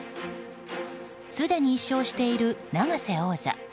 すでに１勝している永瀬王座。